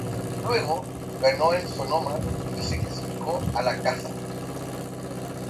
Luego, ganó en Sonoma y se clasificó a la Caza.